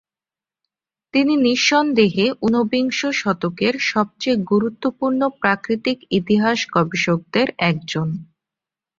তিনি নিঃসন্দেহে ঊনবিংশ শতকের সবচেয়ে গুরুত্বপূর্ণ প্রাকৃতিক ইতিহাস গবেষকদের একজন।